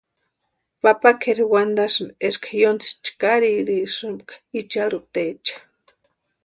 Papa kʼeri wantasïnti eska yóntki chkaririsïrempka icharhutaecha.